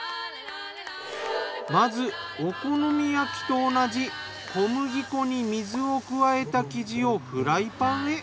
まずお好み焼きと同じ小麦粉に水を加えた生地をフライパンへ。